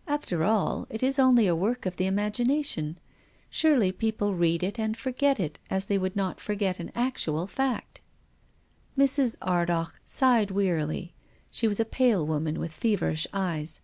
" After all, it is only a work of the imagination. Surely people read it and forget it, as they would not forget an actual fact." Mrs. Ardagh sighed wearily. She was a pale woman with feverish eyes.